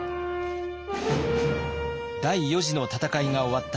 第四次の戦いが終わった